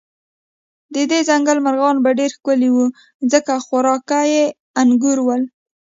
د دې ځنګل مرغان به ډېر ښکلي و، ځکه خوراکه یې انګور ول.